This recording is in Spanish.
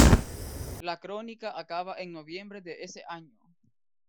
La crónica acaba en noviembre de ese año.